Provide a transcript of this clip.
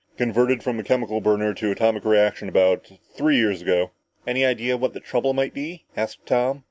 Converted from a chemical burner to atomic reaction about three years ago!" "Any ideas what the trouble might be?" asked Tom.